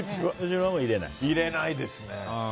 入れないですね。